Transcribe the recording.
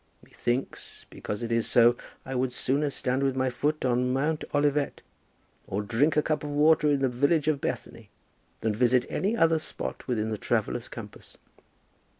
Methinks, because it is so, I would sooner stand with my foot on Mount Olivet, or drink a cup of water in the village of Bethany, than visit any other spot within the traveller's compass.